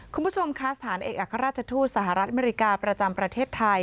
คุณผู้ชมคะสถานเอกอัครราชทูตสหรัฐอเมริกาประจำประเทศไทย